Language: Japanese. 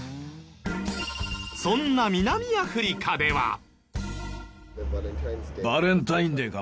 そんな南アフリカでは。